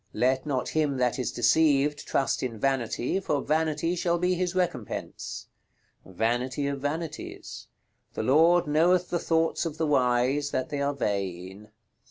"Let not him that is deceived trust in Vanity, for Vanity shall be his recompense." "Vanity of Vanities." "The Lord knoweth the thoughts of the wise, that they are vain."